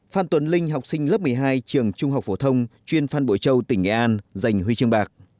phan tuấn linh học sinh lớp một mươi hai trường trung học phổ thông chuyên phan bội châu tỉnh nghệ an giành huy chương bạc